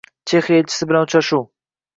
Chexiya elchisi bilan uchrashuv